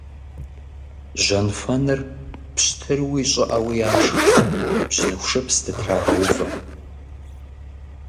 Жьэнфэныр пщтыруи щӀыӀэуи яшх, бжьыныху шыпс дытрагъэувэ.